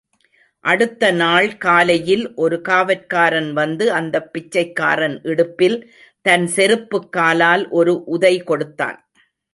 அடுத்த நாள் காலையில் ஒரு காவற்காரன் வந்து அந்தப் பிச்சைக்காரன் இடுப்பில் தன் செருப்புக் காலால் ஒரு உதைகொடுத்தான்.